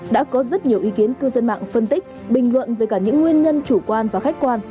đã có rất nhiều ý kiến cư dân mạng phân tích bình luận về cả những nguyên nhân chủ quan và khách quan